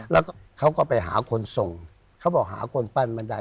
แล้วก็เขาก็ไปหาคนส่งเขาบอกหาคนปั้นมันได้